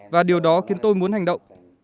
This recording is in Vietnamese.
và điều đó khiến tôi muốn hành động